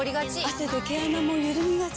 汗で毛穴もゆるみがち。